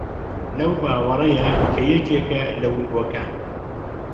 لەو باوەڕەیە کە یەکێکە لە ونبووەکان